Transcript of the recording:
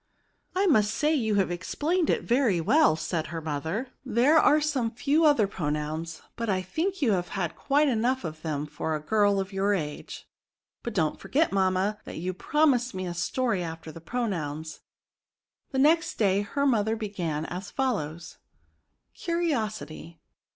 " I must say you have explained it very well," said her mother. " There are some few other pronouns; but I think you have had quite enough of them for a girl of your age. But don't forget, mamma, that you pro mised me a story after the pronouns." The next day^her mother began as fol lows :— CURIOSITY.